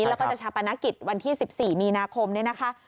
แล้วก็จะชาปนกิจวันที่๑๔มีนาคมเนี่ยนะคะ